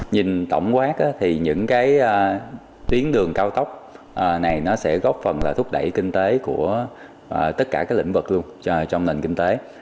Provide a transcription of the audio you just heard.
nhìn tổng quát thì những cái tuyến đường cao tốc này nó sẽ góp phần là thúc đẩy kinh tế của tất cả các lĩnh vực trong nền kinh tế